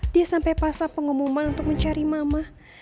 dia sampai pasar pengumuman untuk mencari mama